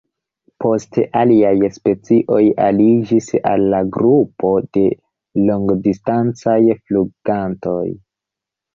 Poste aliaj specioj aliĝis al la grupo de longdistancaj flugantoj.